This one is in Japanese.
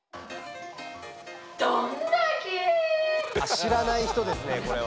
知らない人ですねこれは。